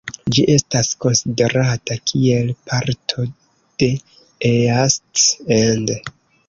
Ĝi estas konsiderata kiel parto de East End.